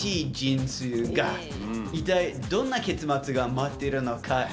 一体どんな結末が待っているのか？